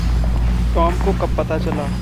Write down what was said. Tom को कब पता चला?